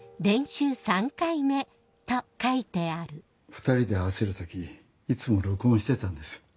２人で合わせる時いつも録音してたんです。